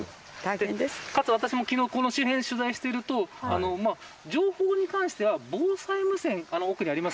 私も昨日この周辺を取材してると情報に関しては、防災無線が奥にあります。